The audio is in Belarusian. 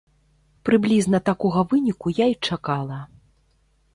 Прыблізна такога выніку я і чакала.